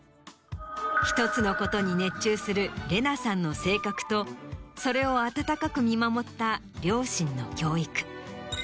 １つのことに熱中するＲＥＮＡさんの性格とそれを温かく見守った両親の教育。